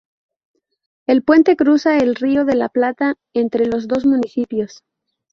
El puente cruza el Río de la Plata entre los dos municipios.